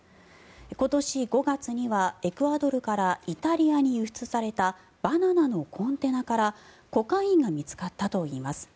今年５月にはエクアドルからイタリアに輸出されたバナナのコンテナからコカインが見つかったといいます。